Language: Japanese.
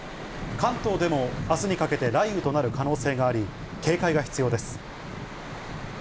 関東でもあすにかけて雷雨となる可能性があり、警戒が必要です。